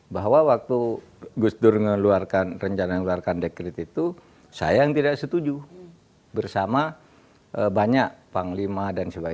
bahwa waktu gus dur ngeluarkan rencana ngeluarkan dekret itu saya yang tidak setuju bersama banyak panglima dan sebagainya